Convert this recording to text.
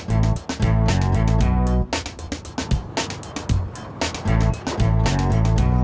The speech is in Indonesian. alhamdulillahirrohmanirrohim kerja di mana